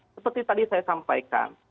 seperti tadi saya sampaikan